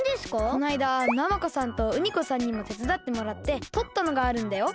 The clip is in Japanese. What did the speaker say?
こないだナマコさんとウニコさんにもてつだってもらってとったのがあるんだよ。